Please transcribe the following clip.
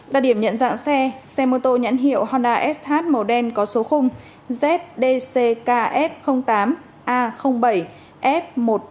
đặc điểm nhận dạng xe xe mô tô nhẵn hiệu honda sh màu đen có số zdckf tám a bảy f một trăm tám mươi nghìn bảy trăm bốn mươi bảy